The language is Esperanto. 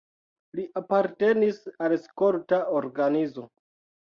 Li apartenis al skolta organizo.